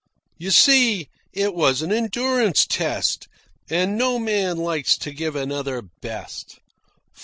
You see, it was an endurance test, and no man likes to give another best.